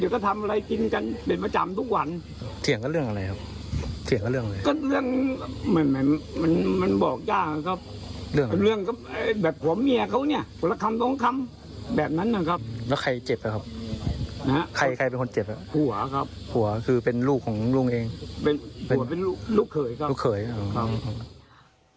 ใครเป็นคนเจ็บอะหัวครับคือเป็นลูกของลูกเองลูกเขยครับ